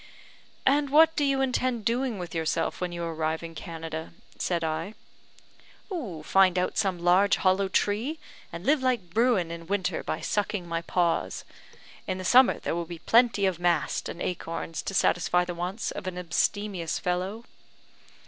"And what do you intend doing with yourself when you arrive in Canada?" said I. "Find out some large hollow tree, and live like Bruin in winter by sucking my paws. In the summer there will be plenty of mast and acorns to satisfy the wants of an abstemious fellow."